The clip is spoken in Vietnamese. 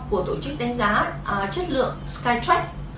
của tổ chức đánh giá chất lượng skytrack